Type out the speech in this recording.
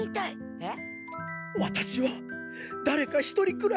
えっ？